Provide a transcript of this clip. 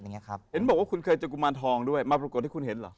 เห็นบอกว่าคุณเคยเจอกุมารทองด้วยมาปรากฏให้คุณเห็นเหรอ